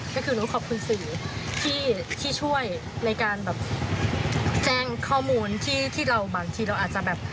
ก็คือหนูขอบคุณสื่อที่ช่วยในการแบบแจ้งข้อมูลที่เราบางทีเราอาจจะแบบ